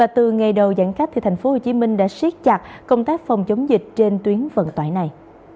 từ ngày đầu giãn cách tp hcm đã siết chặt công tác phòng chống dịch trên tuyến vận tải này